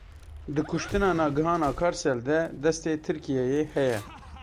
Di kuştina Nagihan Akarsel de destê Tirkiyeyê heye.